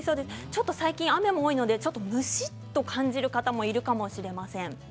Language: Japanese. ちょっと最近、雨も多いのでむしっと感じる方もいるかもしれません。